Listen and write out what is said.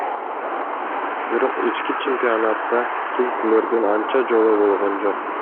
Бирок ички чемпионатта түлкүлөрдүн анча жолу болгон жок.